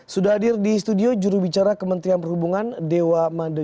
sudah hadir di studio jurubicara kementerian perhubungan dewa mandali